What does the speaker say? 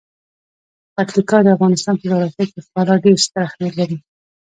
پکتیکا د افغانستان په جغرافیه کې خورا ډیر ستر اهمیت لري.